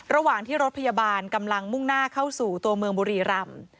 ระหว่างที่รถพยาบาลกำลังมุ่งหน้าเข้าสู่ตัวเมืองบุรีรำ